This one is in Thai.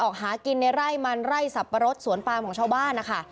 หากินในไร่มันไร่สับปะรดสวนปามของชาวบ้านนะคะ